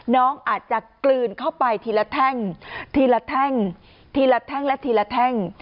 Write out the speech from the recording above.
น้องอาจจะกลืนเข้าไปทีละแท่งทีละแท่งทีละแท่งและทีละแท่ง